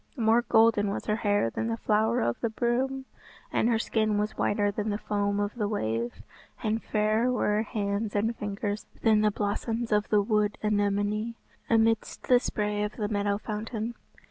More golden was her hair than the flower of the broom, and her skin was whiter than the foam of the wave, and fairer were her hands and her fingers than the blossoms of the wood anemone amidst the spray of the meadow fountain.